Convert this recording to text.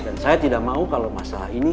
dan saya tidak mau kalau masalah ini